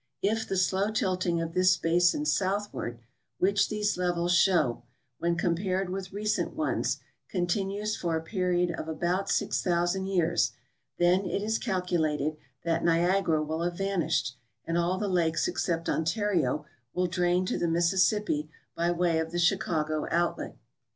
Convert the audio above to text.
If the slow tilting of this basin southward which these levels show, when compared with recent ones, continues for a period of about 6,000 years, then it is calculated that Niagara will have vanished, and all the lakes except Ontario will drain to the Mis sissippi by way of the Chicago outlet.